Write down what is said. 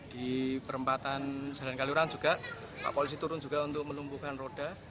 di perempatan jalan kaliuran juga pak polisi turun juga untuk melumpuhkan roda